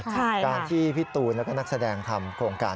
การที่พี่ตูนแล้วก็นักแสดงทำโครงการ